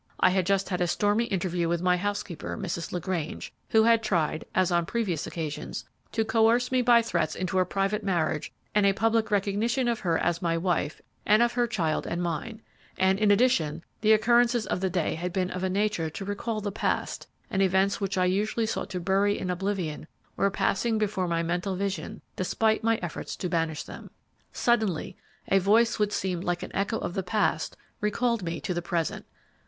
I had just had a stormy interview with my housekeeper, Mrs. LaGrange, who had tried, as on previous occasions, to coerce me by threats into a private marriage and a public recognition of her as my wife and of her child and mine; and, in addition, the occurrences of the day had been of a nature to recall the past, and events which I usually sought to bury in oblivion were passing before my mental vision despite my efforts to banish them. Suddenly a voice which seemed like an echo of the past recalled me to the present.